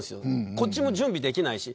こっちも準備できないし。